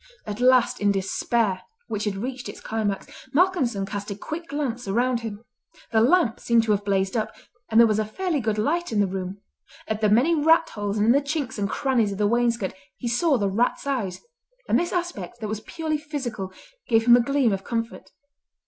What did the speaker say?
At last in despair, which had reached its climax, Malcolmson cast a quick glance round him. The lamp seemed to have blazed up, and there was a fairly good light in the room. At the many rat holes and in the chinks and crannies of the wainscot he saw the rats' eyes; and this aspect, that was purely physical, gave him a gleam of comfort.